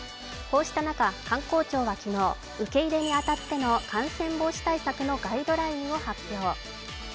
こうした中、観光庁は昨日、受け入れに当たっての感染防止対策のガイドラインを発表。